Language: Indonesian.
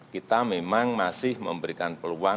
kita memang masih memberikan peluang